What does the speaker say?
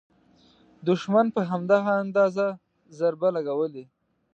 دوښمن په همدغه اندازه ضرب لګولی.